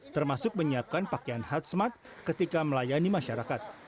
termasuk menyiapkan pakaian hatsmat ketika melayani masyarakat